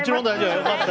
良かった。